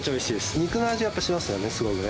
肉の味がやっぱしますよね、すごくね。